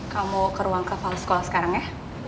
kamu ke ruang kepala sekolah sekarang ya